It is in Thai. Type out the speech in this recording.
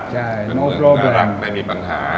ไม่มีปัญหา